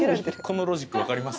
このロジックわかります？